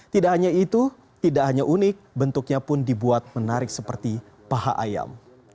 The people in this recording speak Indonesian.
tidak hanya itu tidak hanya unik bentuknya pun dibuat menarik seperti paha ayam